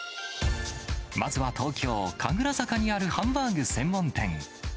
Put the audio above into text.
まずは東京・神楽坂にある、ハンバーグ専門店。